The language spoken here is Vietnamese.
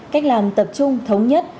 cách làm tập trung thống nhất